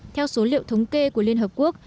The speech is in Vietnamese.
theo số liệu thống kê của liên hợp quốc